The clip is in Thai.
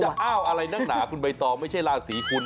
คุณจะอ้าวอะไรนั่งหนาคุณใบตอไม่ใช่ลากสีคุณ